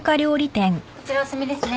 こちらお済みですね。